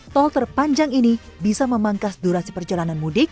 tol terpanjang ini bisa memangkas durasi perjalanan mudik